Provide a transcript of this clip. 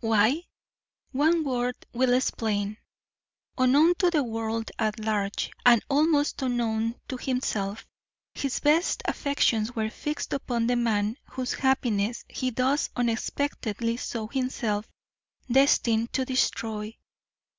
Why? One word will explain. Unknown to the world at large and almost unknown to himself, his best affections were fixed upon the man whose happiness he thus unexpectedly saw himself destined to destroy.